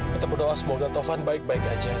kita berdoa semoga tovan baik baik aja